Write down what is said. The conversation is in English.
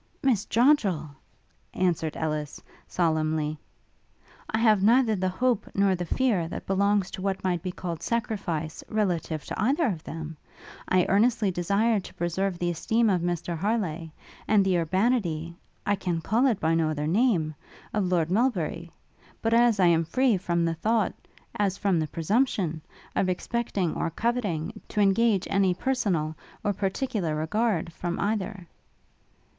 'Miss Joddrel,' answered Ellis, solemnly, 'I have neither the hope, nor the fear, that belongs to what might be called sacrifice relative to either of them: I earnestly desire to preserve the esteem of Mr Harleigh; and the urbanity I can call it by no other name of Lord Melbury; but I am as free from the thought as from the presumption, of expecting, or coveting, to engage any personal, or particular regard, from either.'